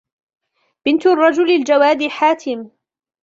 بِنْتُ الرَّجُلِ الْجَوَادِ حَاتِمٍ